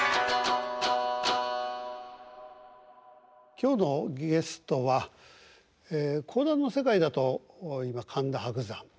今日のゲストは講談の世界だと今神田伯山。